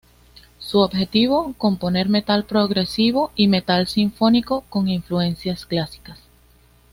Su objetivo: componer Metal Progresivo y metal sinfónico con influencias clásicas.